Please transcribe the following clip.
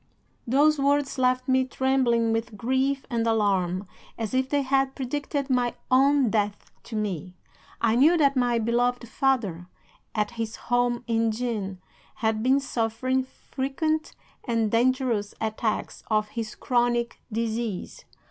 "'Those words left me trembling with grief and alarm, as if they had predicted my own death to me. I knew that my beloved father, at his home in Jean, had been suffering frequent and dangerous attacks of his chronic disease.